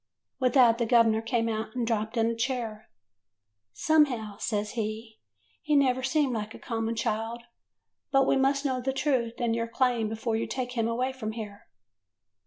"With that the gov'ner came out and dropped in a chair. " 'Somehow,' says he, 'he never seemed like a common child. But we must know the truth and your claim before you take him away from here.